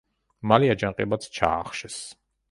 მალე აჯანყებაც ჩაახშეს.